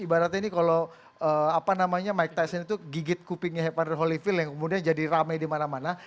ibaratnya ini kalau mike tyson itu gigit kupingnya hewan dan holyfield yang kemudian jadi rame di mana mana